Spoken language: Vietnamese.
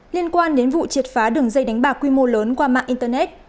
liên quan đến vụ triệt phá đường dây đánh bạc quy mô lớn qua mạng internet